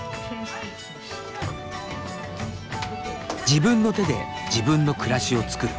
自分の手で自分の暮らしを作る。